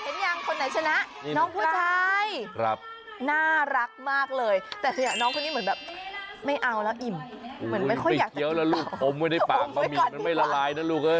เห็นยังคนไหนชนะน้องผู้ชายน่ารักมากเลยหรือเปล่าปุ๊กเตี๊ยวก็ลุ้มไว้ในปากข้างมันไม่ละลายนะลูก